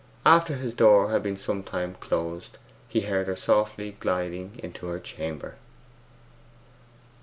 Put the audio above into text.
After his door had been some time closed he heard her softly gliding into her chamber.